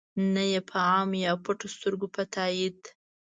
نه ېې په عام یا پټو سترګو په تایید.